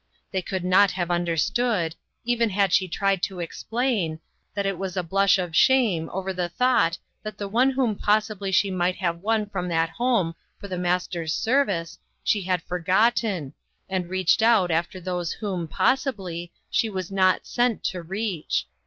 They could not have understood, even had she tried to explain, that it was a blush of shame over the thought that the one whom possibly she might have won from that home for the Master's service she had forgotten, and reached out after those whom, possibly, she was not sent to reach.